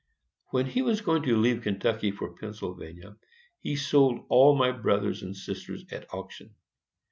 When he was going to leave Kentucky for Pennsylvania, he sold all my brothers and sisters at auction.